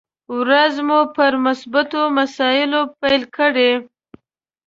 ورځ مو پر مثبتو مسايلو پيل کړئ!